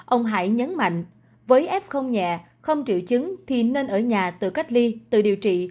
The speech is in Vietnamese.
ông hải nhấn mạnh với f nhẹ không triệu chứng thì nên ở nhà tự cách ly tự điều trị